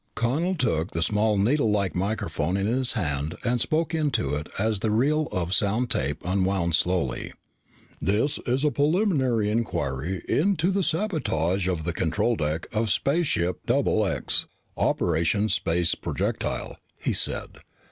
Connel took the small needlelike microphone in his hand and spoke into it as the reel of sound tape unwound slowly. "This is a preliminary inquiry into the sabotage of the control deck of spaceship XX, Operation Space Projectile," he said.